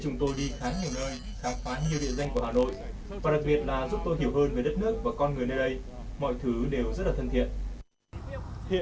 mọi thứ đều rất là thân thiện